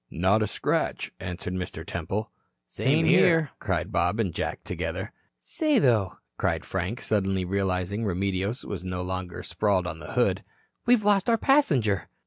"Not a scratch," answered Mr. Temple. "Same here," cried Bob and Jack together. "Say, though," cried Frank, suddenly realizing Remedios no longer sprawled on the hood, "we've lost our passenger."